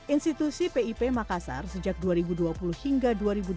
institusi pip makassar sejak dua ribu dua puluh hingga dua ribu dua puluh